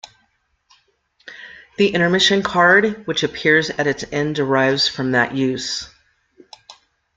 The "Intermission" card which appears at its end derives from that use.